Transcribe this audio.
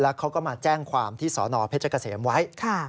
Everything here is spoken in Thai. เขาก็มาแจ้งความที่สนเพชรเกษมไว้